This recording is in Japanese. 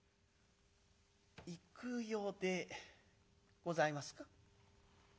「幾代でございますか？